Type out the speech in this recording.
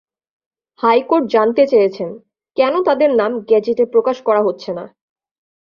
High court জানতে চেয়েছেন, কেন তাঁদের নাম গেজেটে প্রকাশ করা হচ্ছে না।